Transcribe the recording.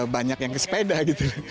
banyak yang ke sepeda gitu